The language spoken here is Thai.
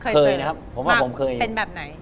เคยนะครับผมว่าผมเคยเป็นแบบไหน